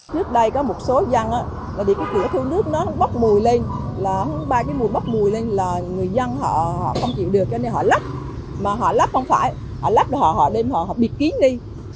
trước đây có một số dân cửa thu nước bóp mùi lên người dân không chịu được cho nên họ lắp mà họ lắp không phải họ lắp họ đem họ biệt kính đi